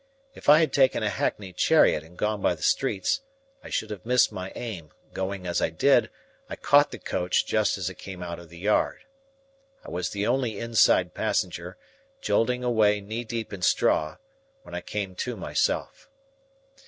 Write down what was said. If I had taken a hackney chariot and gone by the streets, I should have missed my aim; going as I did, I caught the coach just as it came out of the yard. I was the only inside passenger, jolting away knee deep in straw, when I came to myself.